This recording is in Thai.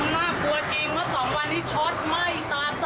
น่ากลัวจริงเมื่อ๒วันนี้ช็อตไหม้ตามตัว